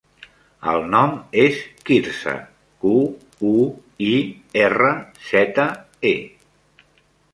El nom és Quirze: cu, u, i, erra, zeta, e.